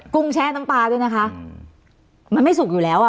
ุ้งแช่น้ำปลาด้วยนะคะมันไม่สุกอยู่แล้วอ่ะ